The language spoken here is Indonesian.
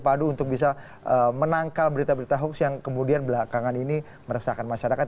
padu untuk bisa menangkal berita berita hoax yang kemudian belakangan ini meresahkan masyarakat